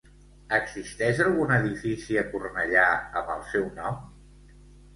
Existeix algun edifici a Cornellà amb el seu nom?